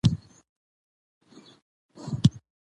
او شېدو چای او دانور خواړه ډېره خوندوره